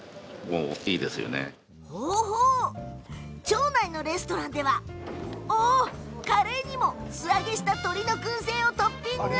町内のレストランではカレーにも素揚げした鶏のくん製をトッピング。